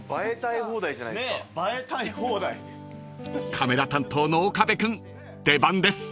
［カメラ担当の岡部君出番です］